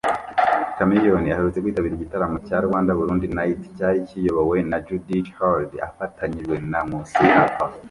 Chameleone aherutse kwitabira igitaramo cya Rwanda-Burundi Night cyari kiyobowe na Judith Heard afatanyije na Nkusi Arthur